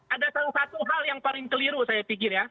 ada salah satu hal yang paling keliru saya pikir ya